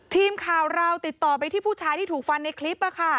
ทีมข่าวเราติดต่อไปที่ผู้ชายที่ถูกฟันในคลิปค่ะ